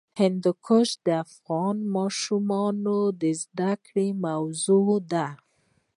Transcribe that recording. هندوکش د افغان ماشومانو د زده کړې موضوع ده.